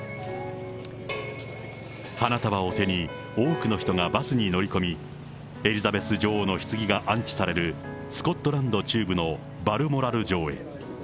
花束を手に多くの人がバスに乗り込み、エリザベス女王のひつぎが安置されるスコットランド中部のバルモラル城へ。